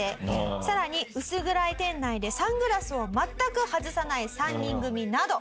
さらに薄暗い店内でサングラスを全く外さない３人組など。